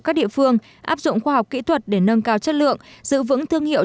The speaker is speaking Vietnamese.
các địa phương áp dụng khoa học kỹ thuật để nâng cao chất lượng giữ vững thương hiệu